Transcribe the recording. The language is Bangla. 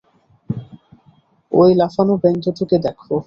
ঐ লাফানো ব্যাঙ দুটো কে দেখো।